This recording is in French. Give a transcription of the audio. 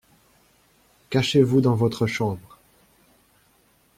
Cachez-vous dans votre chambre.